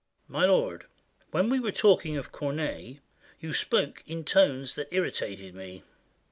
My lord, when we were talking of Corneille, You spoke in tones that irritated me.